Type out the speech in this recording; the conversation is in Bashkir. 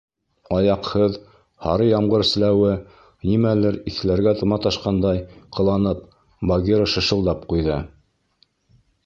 — Аяҡһыҙ, һары ямғыр селәүе, — нимәнелер иҫләргә маташҡандай ҡыланып, Багира шышылдап ҡуйҙы.